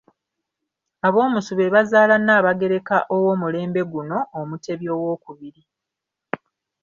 Aboomusu be bazaala Nnaabagereka ow’omulembe guno Omutebi owookubiri.